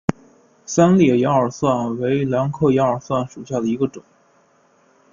三裂羊耳蒜为兰科羊耳蒜属下的一个种。